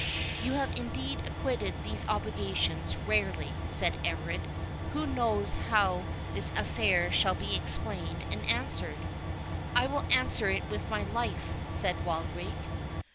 "You have indeed acquitted these obligations rarely," said Everard, "Who knows how this affair shall be explained and answered?" "I will answer it with my life," said Wildrake.